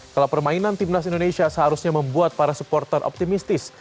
kalau permainan timnas indonesia seharusnya membuat para supporter optimistis